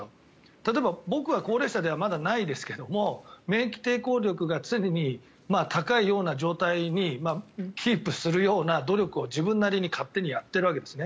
例えば僕は高齢者ではまだないですが免疫抵抗力が常に高いような状態にキープするような努力を自分なりに勝手にやっているわけですね。